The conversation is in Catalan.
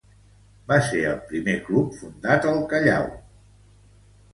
Va ser el primer club fundat al Callao.